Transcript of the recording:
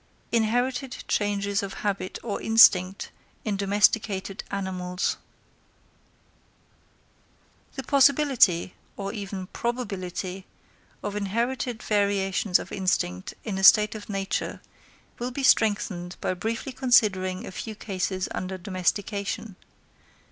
Inherited Changes of Habit or Instinct in Domesticated Animals. The possibility, or even probability, of inherited variations of instinct in a state of nature will be strengthened by briefly considering a few cases under domestication.